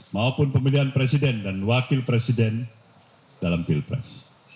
maupun pemilihan presiden dan wakil presiden dalam pilpres